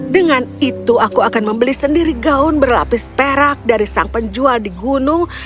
dengan itu aku akan membeli sendiri gaun berlapis perak dari sang penjual di gunung